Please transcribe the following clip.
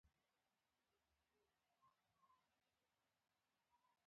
منګیستیو قحطي د خپلو مخالفینو ځپلو وسیلې په توګه کاروله.